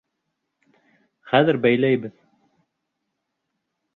Хәҙер бәйләйбеҙ.